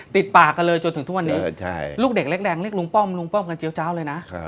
ติดปากกันเลยจนถึงทุกวันนี้ลูกเด็กเล็กแรงเรียกลุงป้อมลุงป้อมกันเจี๊ยเจ้าเลยนะ